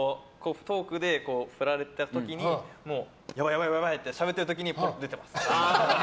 トークで振られた時にもう、やばいやばいってしゃべってる時に出ちゃいます。